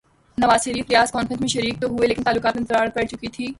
نواز Sharif Riyadh conference میں شریک تو ہوئے لیکن تعلقات میں دراڑ پڑ چکی تھی۔